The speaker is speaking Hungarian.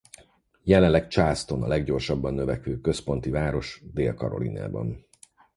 Jelenleg Charleston a leggyorsabban növekvő központi város Dél-Karolinában.